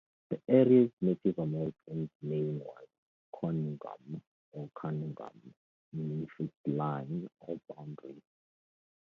The area's Native American name was "Conungum" or "Kanungum", meaning "fixed line" or "boundary".